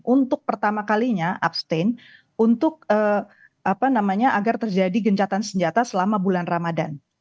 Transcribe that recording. untuk pertama kalinya abstain untuk agar terjadi gencatan senjata selama bulan ramadan